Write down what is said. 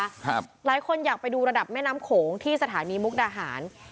หลายคนอยากไปดูระดับแม่น้ำโขงที่สถานีมุกดาหาร